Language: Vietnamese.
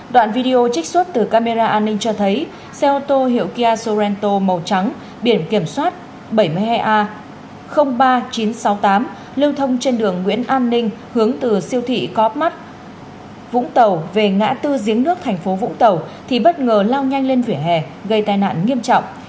đoạn video trích xuất từ camera an ninh cho thấy xe ô tô hiệu kia sorento màu trắng biển kiểm soát bảy mươi hai a ba nghìn chín trăm sáu mươi tám lưu thông trên đường nguyễn an ninh hướng từ siêu thị copmart vũng tàu về ngã tư giếng nước thành phố vũng tàu thì bất ngờ lao nhanh lên vỉa hè gây tai nạn nghiêm trọng